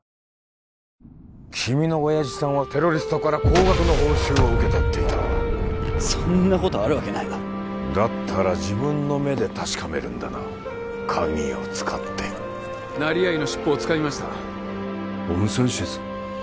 君の親父さんはテロリストから高額の報酬を受け取っていたそんなことあるわけないだろだったら自分の目で確かめるんだな鍵を使って成合の尻尾をつかみました温泉施設？